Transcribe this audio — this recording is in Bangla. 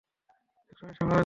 এক সময় সে মারা যায়।